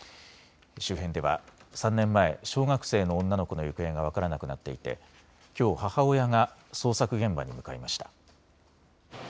周辺では３年前、小学生の女の子の行方が分からなくなっていて、きょう母親が捜索現場に向かいました。